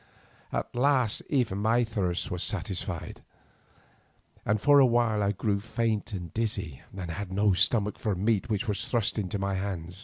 At last even my thirst was satisfied, and for a while I grew faint and dizzy, and had no stomach for the meat which was thrust into my hand.